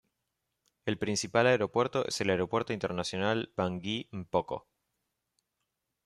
El principal aeropuerto es el Aeropuerto Internacional Bangui M’Poko.